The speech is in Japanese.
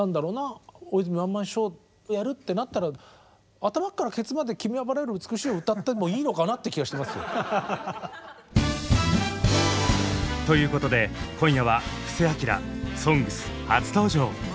ワンマンショーやるってなったら頭からケツまで「君は薔薇より美しい」を歌ってもいいのかなって気がしてますよ。ということで今夜は布施明「ＳＯＮＧＳ」初登場。